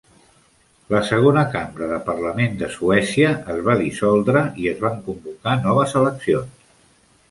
La segona cambra de Parlament de Suècia es va dissoldre i es van convocar noves eleccions.